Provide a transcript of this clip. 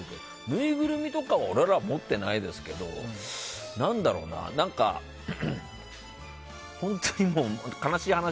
ぬいぐるみとか俺ら、持っていないですけど何だろうな、本当に悲しい話。